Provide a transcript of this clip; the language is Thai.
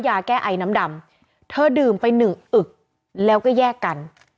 ยาแก้ไอน้ำดำเธอดื่มไปหนึ่งอึกแล้วก็แยกกัน